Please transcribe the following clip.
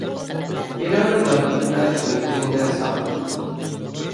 تېرەڭدە داپ ئېتىمەن، سۆڭىكىڭدە ساپ.